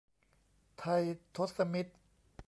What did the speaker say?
ไททศมิตร